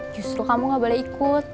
justru kamu gak boleh ikut